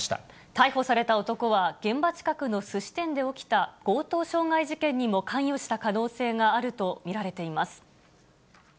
逮捕された男は現場近くのすし店で起きた強盗傷害事件にも関与した可能性があると見られています。